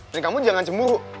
dan kamu jangan cemburu